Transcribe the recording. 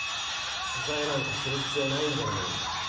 取材なんかする必要ないんじゃないのか？